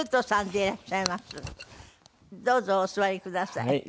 どうぞお座りください。